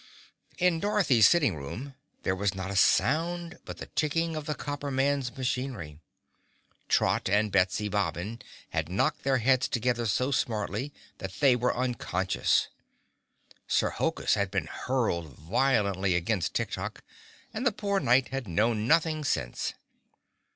In Dorothy's sitting room there was not a sound but the ticking of the Copper Man's machinery. Trot and Betsy Bobbin had knocked their heads together so smartly that they were unconscious. Sir Hokus had been hurled violently against Tik Tok and the poor Knight had known nothing since.